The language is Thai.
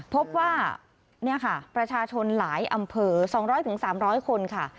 พบว่านี่ค่ะประชาชนหลายอำเภอ๒๐๐๓๐๐คนค่ะ